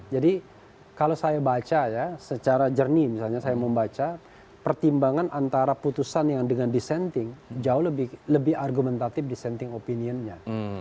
jadi kalau saya baca ya secara jernih misalnya saya membaca pertimbangan antara putusan yang dengan dissenting jauh lebih argumentatif dissenting opinionnya